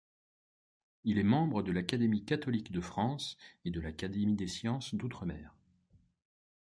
Il est membre de l'Académie catholique de France et de l'Académie des sciences d'outre-mer.